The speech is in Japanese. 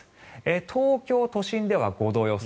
東京都心では５度予想